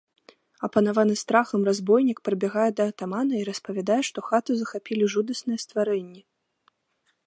Апанаваны страхам разбойнік прыбягае да атамана і распавядае, што хату захапілі жудасныя стварэнні.